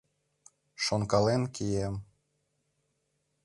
— Шонкален кием...